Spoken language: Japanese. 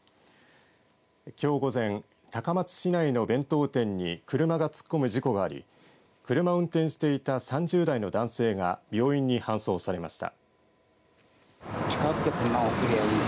きょう午前高松市内の弁当店に車が突っ込む事故があり車を運転していた３０代の男性が病院に搬送されました。